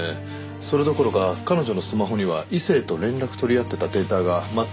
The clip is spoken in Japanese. それどころか彼女のスマホには異性と連絡取り合ってたデータが全くないようです。